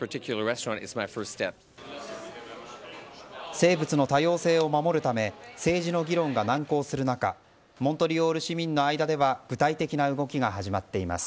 生物の多様性を守るため政治の議論が難航する中モントリオール市民の間では具体的な動きが始まっています。